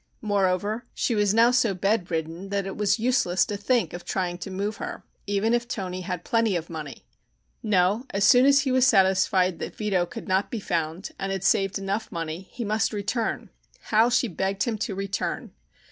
Moreover, she was now so bedridden that it was useless to think of trying to move her, even if Toni had plenty of money. No, as soon as he was satisfied that Vito could not be found and had saved enough money he must return. How she begged him to return!